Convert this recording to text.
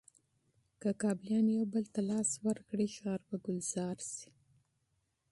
که کابليان یو بل ته لاس ورکړي، ښار به ګلزار شي.